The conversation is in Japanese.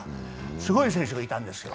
すごい選手がいるんです。